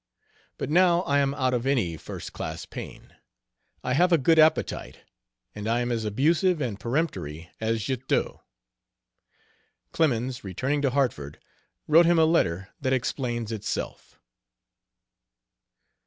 But now I am out of any first class pain; I have a good appetite, and I am as abusive and peremptory as Guiteau." Clemens, returning to Hartford, wrote him a letter that explains itself.